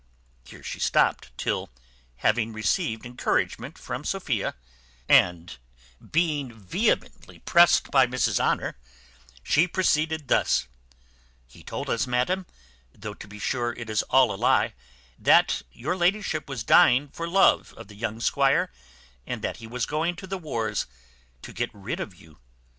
Here she stopt, till, having received encouragement from Sophia, and being vehemently pressed by Mrs Honour, she proceeded thus: "He told us, madam, though to be sure it is all a lie, that your ladyship was dying for love of the young squire, and that he was going to the wars to get rid of you.